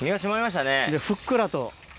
ふっくらと。